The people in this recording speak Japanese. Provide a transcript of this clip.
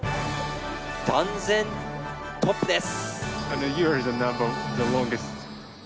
断然トップです。